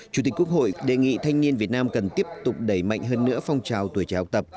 chủ tịch quốc hội đề nghị thanh niên việt nam cần tiếp tục đẩy mạnh hơn nữa phong trào tuổi trẻ học tập